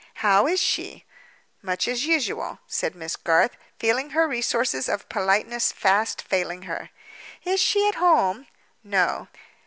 "How is she?" "Much as usual," said Miss Garth, feeling her resources of politeness fast failing her. "Is she at home?" "No."